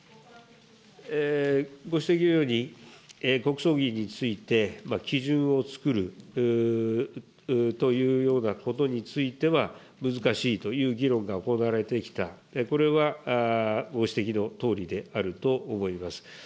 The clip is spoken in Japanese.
ご指摘のように、国葬儀について、基準をつくるというようなことについては、難しいという議論が行われてきた、これはご指摘のとおりであると思います。